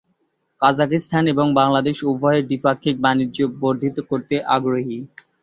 কাজাখস্তান ও বাংলাদেশ উভয়েই দ্বিপাক্ষিক বাণিজ্য বর্ধিত করতে আগ্রহী।